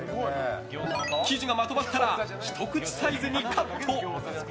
生地がまとまったらひと口サイズにカット。